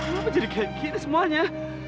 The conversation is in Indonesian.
kenapa jadi kayak kita semuanya